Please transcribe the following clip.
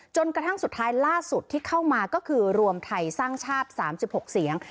จนกระทั่งสุดท้ายล่าสุดที่เข้ามาก็คือรวมไทยสร้างชาติ๓๖เสียง